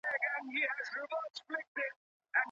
کله خلګ د خپلو کړنو او پرېکړو په ارزښت پوهېږي؟